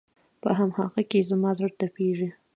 په هم هغه کې زما زړه تپېږي